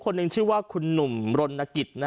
หนึ่งชื่อว่าคุณหนุ่มรณกิจ